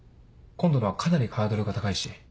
今度のはかなりハードルが高いし。